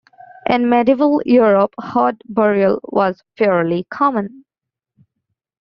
In medieval Europe heart-burial was fairly common.